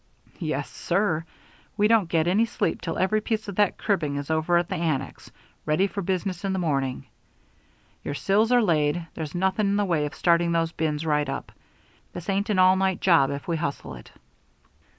"Yes, sir. We don't get any sleep till every piece of that cribbing is over at the annex, ready for business in the morning. Your sills are laid there's nothing in the way of starting those bins right up. This ain't an all night job if we hustle it."